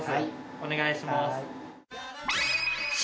お願いします。